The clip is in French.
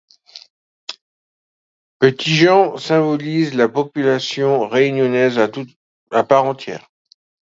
Petit Jean symbolise la population réunionnaise à part entière.